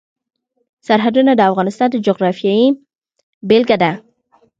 سرحدونه د افغانستان د جغرافیې بېلګه ده.